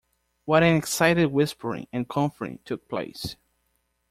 What an excited whispering and conferring took place.